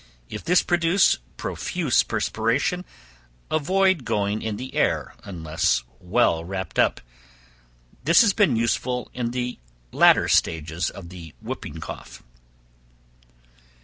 If this produce profuse perspiration avoid going in the air unless well wrapped up. This has been useful in the latter stages of the whooping cough.